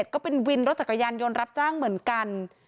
ก็เป็นวินรถจักรยานยนต์รับจ้างเหมือนกัน